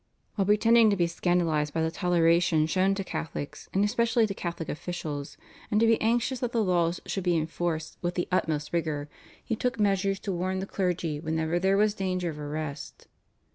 While pretending to be scandalised by the toleration shown to Catholics, and especially to Catholic officials, and to be anxious that the laws should be enforced with the utmost rigour he took measures to warn the clergy whenever there was danger of arrest.